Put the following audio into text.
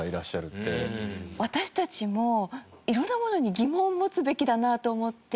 私たちも色んなものに疑問を持つべきだなと思って。